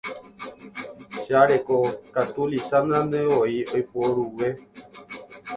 che areko katu Lizandrantevoi oiporuve